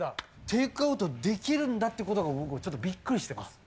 テイクアウトできるんだということが僕、ちょっとびっくりしてます。